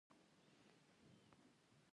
په خوب کې وېرېږي.